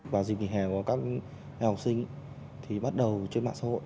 vào dịp nghỉ hè của các học sinh thì bắt đầu trên mạng xã hội